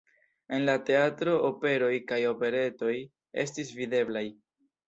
En la teatro operoj kaj operetoj estis videblaj.